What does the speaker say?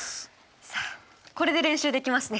さっこれで練習できますね。